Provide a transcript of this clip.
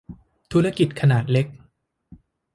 ธุรกิจขนาดเล็ก